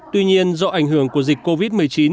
tuy nhiên do ảnh hưởng của dịch covid một mươi chín